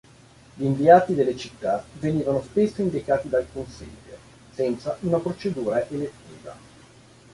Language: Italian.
Gli inviati delle città venivano spesso indicati dal consiglio, senza una procedura elettiva.